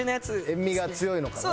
塩味が強いのかな？